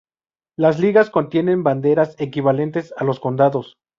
Las "ligas" contienen "banderas", equivalentes a los condados.